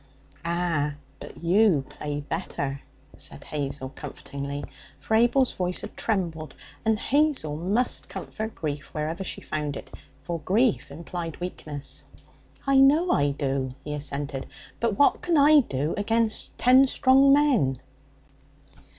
'Ah, but you play better,' said Hazel comfortingly; for Abel's voice had trembled, and Hazel must comfort grief wherever she found it, for grief implied weakness. 'I know I do,' he assented; 'but what can I do agen ten strong men?'